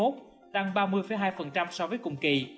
tăng ba mươi hai so với cùng kỳ